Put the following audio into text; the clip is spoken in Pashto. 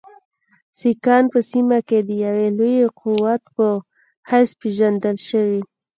سیکهان په سیمه کې د یوه لوی قوت په حیث پېژندل شوي.